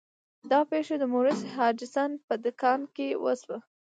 دا پیښه د مورس هډسن په دکان کې وشوه.